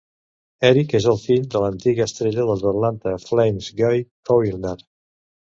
Eric és fill de l'antiga estrella dels Atlanta Flames Guy Chouinard.